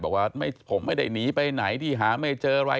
บอกว่าผมไม่ได้หนีไปไหนที่หาไม่เจออะไร